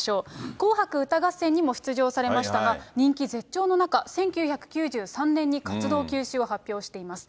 紅白歌合戦にも出場されましたが、人気絶頂の中、１９９３年に活動休止を発表しています。